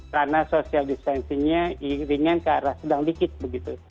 karena social distancing nya ringan ke arah sedang dikit begitu